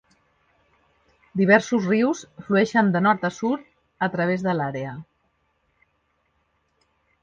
Diversos rius flueixen de nord a sud a través de l'àrea.